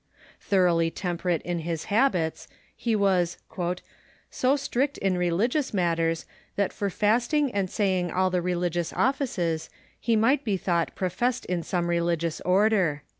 Thoroughly temperate in his habits, he was " so strict in religious matters that for fast ing and saving all the religious offices, lie might be thought pro fessed in some religious order."